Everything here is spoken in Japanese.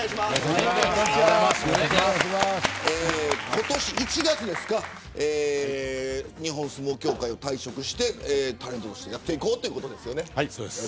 今年１月に日本相撲協会を退職してタレントとしてやっていこうということです。